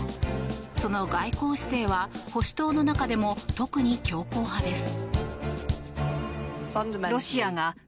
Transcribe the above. その外交姿勢は保守党の中でも特に強硬派です。